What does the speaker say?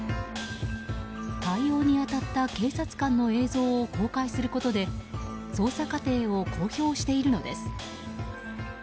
対応に当たった警察官の映像を公開することで捜査過程を公表しているのです。